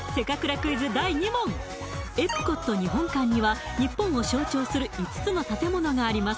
クイズ第２問エプコット日本館には日本を象徴する５つの建物があります